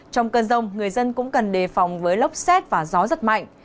trong cơn rông người dân cũng cần đề phòng với lốc xét và gió giật mạnh